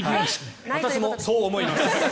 私もそう思います。